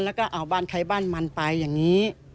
แล้วก็เอาบ้านใครบ้านมันไปอย่างนี้